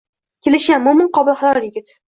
Kelishgan, mo`min-qobil, halol yigit